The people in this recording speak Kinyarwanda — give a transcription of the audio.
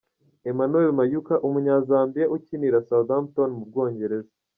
Emmanuel Mayuka, umunyazambiya ukinira Southampton mu Bwongereza.